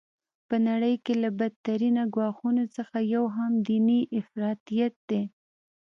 په نړۍ کي له بد ترینه ګواښونو څخه یو هم دیني افراطیت دی.